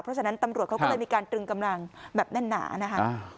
เพราะฉะนั้นตำรวจเขาก็เลยมีการตรึงกำลังแบบแน่นหนานะคะ